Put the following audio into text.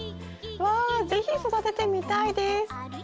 わっ是非育ててみたいです。